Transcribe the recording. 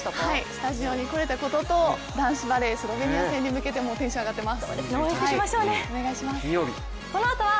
スタジオに来られたことと男子バレー、スロベニア戦に向けてテンション上がっています。